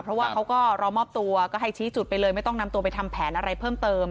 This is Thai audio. เพราะว่าเขาก็รอมอบตัวก็ให้ชี้จุดไปเลยไม่ต้องนำตัวไปทำแผนอะไรเพิ่มเติม